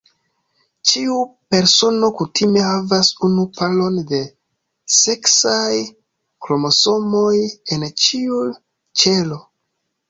Ĉiu persono kutime havas unu paron de seksaj kromosomoj en ĉiu ĉelo.